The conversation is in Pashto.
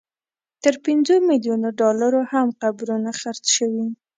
تر پنځو ملیونو ډالرو هم قبرونه خرڅ شوي.